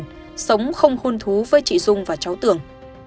đặng thanh tuyền sống không hôn thú với chị dung và cháu tường